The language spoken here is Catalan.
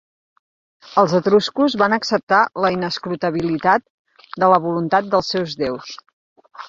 Els etruscos van acceptar l'inescrutabilitat de la voluntat dels seus déus.